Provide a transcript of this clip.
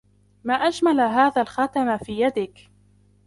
ما أجمل هذا الخاتم في يدك!